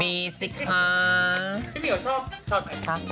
มีสิคค้า